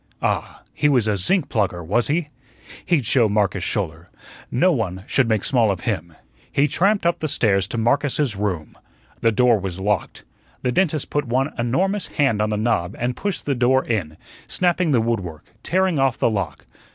Ah, he was a zinc plugger, was he? He'd show Marcus Schouler. No one should make small of him. He tramped up the stairs to Marcus's room. The door was locked. The dentist put one enormous hand on the knob and pushed the door in, snapping the wood work, tearing off the lock.